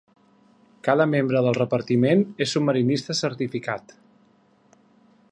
Cada membre del repartiment és submarinista certificat.